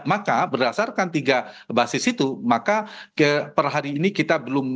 maka berdasarkan tiga basis itu maka per hari ini kita akan memiliki tiga basis